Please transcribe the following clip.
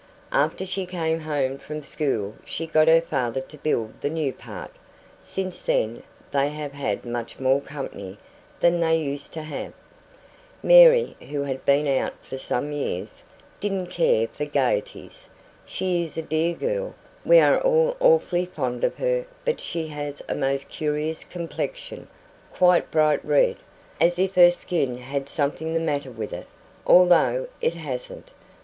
After she came home from school she got her father to build the new part. Since then they have had much more company than they used to have. Mary, who had been out for some years, didn't care for gaieties. She is a dear girl we are all awfully fond of her but she has a most curious complexion quite bright red, as if her skin had something the matter with it, although it hasn't.